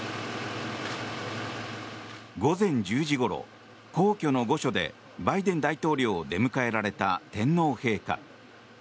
午前１０時ごろ皇居の御所でバイデン大統領を出迎えられた天皇陛下。